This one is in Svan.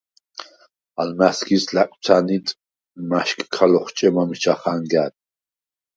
ალმა̈სგირს ლაკვცა̈ნიდ მა̈შკქა ლოხჭემა მიჩა ხანგა̈რ.